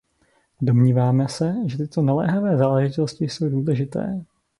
Domníváme se, že tyto naléhavé záležitosti jsou důležité.